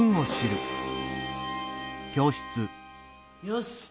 よし！